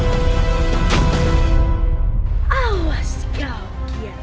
dan menangkap kake guru